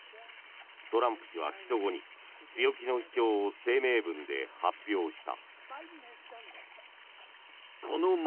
トランプ氏は起訴後に強気の主張を声明文で発表した。